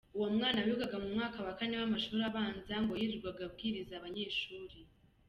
Uwo mwana wigaga mu mwaka wa kane w’amashuri abanza ngo yirirwaga abwiriza Abanyeshuri.